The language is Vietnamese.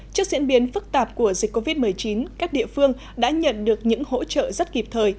trước diễn biến phức tạp của dịch covid một mươi chín các địa phương đã nhận được những hỗ trợ rất kịp thời